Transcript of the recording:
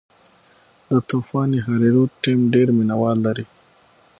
د طوفان هریرود ټیم ډېر مینه وال لري.